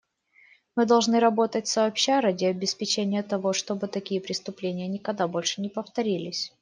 Мы должны работать сообща ради обеспечения того, чтобы такие преступления никогда больше не повторились.